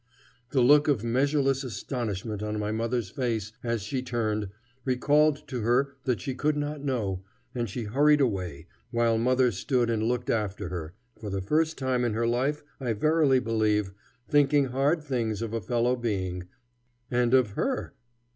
The look of measureless astonishment on my mother's face, as she turned, recalled to her that she could not know, and she hurried away, while mother stood and looked after her, for the first time in her life, I verily believe, thinking hard things of a fellow being and of her!